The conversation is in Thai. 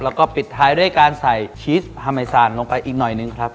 แล้วก็ปิดท้ายด้วยการใส่ชีสฮาไมซานลงไปอีกหน่อยนึงครับ